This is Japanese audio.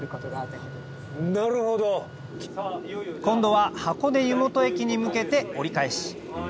今度は箱根湯本駅に向けて折り返し